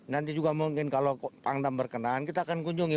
nanti juga mungkin kalau pangdam berkenan kita akan kunjungi